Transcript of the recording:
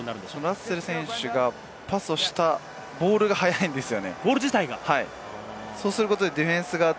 ラッセル選手がパスをしたボールが速いんですよ。